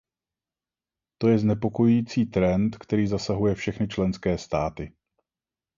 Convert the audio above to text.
To je znepokojující trend, který zasahuje všechny členské státy.